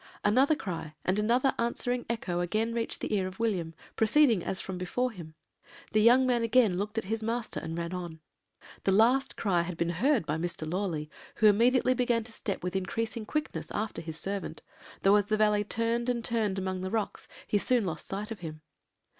Another cry and another answering echo again reached the ear of William, proceeding as from before him. The young man again looked at his master and ran on. The last cry had been heard by Mr. Lawley, who immediately began to step with increasing quickness after his servant, though, as the valley turned and turned among the rocks, he soon lost sight of him.